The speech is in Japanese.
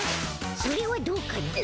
それはどうかな。